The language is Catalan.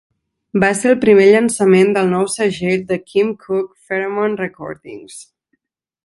Va ser el primer llançament del nou segell de Kim Cooke Pheromone Recordings.